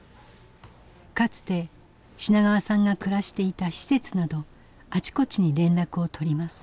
かつて品川さんが暮らしていた施設などあちこちに連絡を取ります。